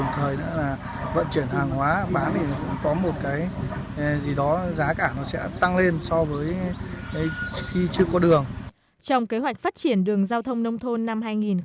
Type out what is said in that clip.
trong kế hoạch phát triển đường giao thông nông thôn năm hai nghìn một mươi tám